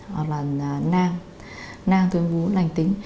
hoặc là nang nang tướng vú lành tính